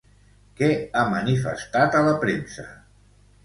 Què ha manifestat a la premsa?